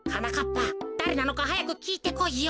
ぱだれなのかはやくきいてこいよ。